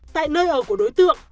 tại nơi ở của đối tượng